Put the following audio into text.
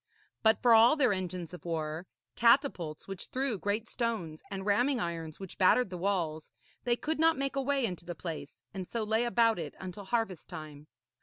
But for all their engines of war, catapults which threw great stones, and ramming irons which battered the walls, they could not make a way into the place, and so lay about it until harvest time.